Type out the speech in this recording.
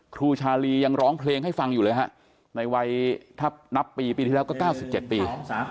ครูชาลียังร้องเพลงให้ฟังอยู่เลยฮะในวัยถ้านับปีปีที่แล้วก็๙๗ปี